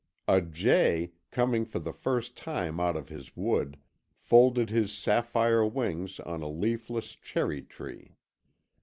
A jay, coming for the first time out of his wood, folded his sapphire wings on a leafless cherry tree.